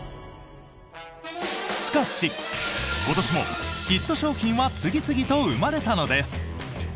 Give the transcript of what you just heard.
しかし、今年もヒット商品は次々と生まれたのです。